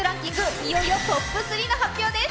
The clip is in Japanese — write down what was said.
いよいよトップ３の発表です。